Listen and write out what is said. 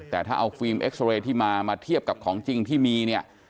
แต่ถ้าเอาฟิล์มเอ็กซอเรย์ที่มามาเทียบกับของจริงที่มีเนี่ย